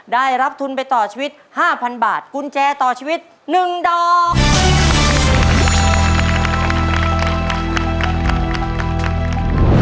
ได้รับทุนไปต่อชีวิตห้าพันบาทกุญแจต่อชีวิตหนึ่งดอก